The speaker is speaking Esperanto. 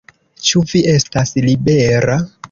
Ĉu vi estas libera?